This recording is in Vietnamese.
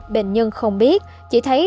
bệnh nhân không biết chỉ thấy